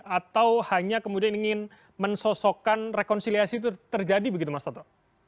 atau hanya kemudian ingin mensosokkan rekonsiliasi itu terjadi begitu mas toto